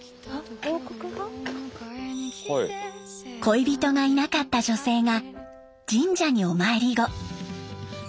恋人がいなかった女性が神社にお参り後。